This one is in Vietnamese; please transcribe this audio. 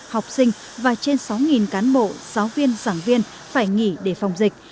học sinh và trên sáu cán bộ giáo viên giảng viên phải nghỉ để phòng dịch